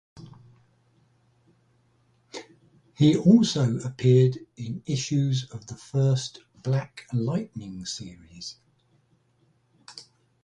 He also appeared in issues of the first "Black Lightning" series.